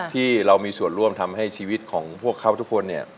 ที่เรามีส่วนร่วมทำให้ชีวิตของพวกเขาทุกคนเนี่ย